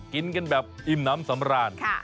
กินกันแบบอิ่มน้ำสำราญ